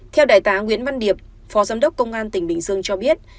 theo đại tá nguyễn văn điệp phó giám đốc công an tỉnh bình dương cho biết